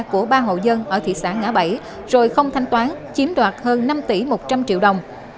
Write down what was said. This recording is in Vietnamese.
của ba hộ dân ở thị xã ngã bảy rồi không thanh toán chiếm đoạt hơn năm tỷ một trăm linh triệu đồng